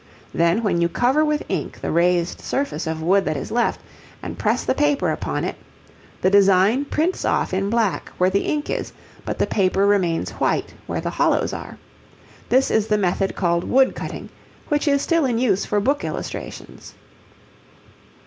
Then when you cover with ink the raised surface of wood that is left and press the paper upon it, the design prints off in black where the ink is but the paper remains white where the hollows are. This is the method called wood cutting, which is still in use for book illustrations.